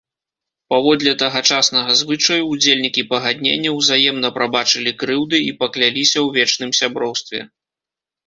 Паводле тагачаснага звычаю, удзельнікі пагаднення ўзаемна прабачылі крыўды і пакляліся ў вечным сяброўстве.